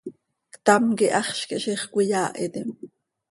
Ctam quih haxz quih ziix cöiyaahitim.